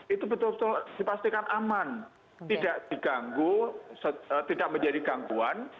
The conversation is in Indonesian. itu betul betul dipastikan aman tidak diganggu tidak menjadi gangguan